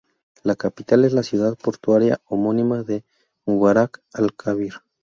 La capital es la ciudad portuaria homónima de Mubarak al-Kabir.